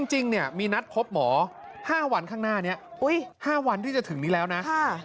จริงมีนัดพบหมอ๕วันข้างหน้านี้๕วันที่จะถึงนี้แล้วนะ